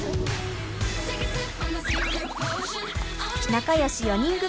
仲良し４人組。